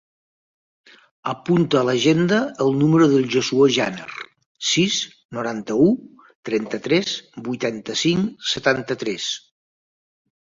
Apunta a l'agenda el número del Josuè Janer: sis, noranta-u, trenta-tres, vuitanta-cinc, setanta-tres.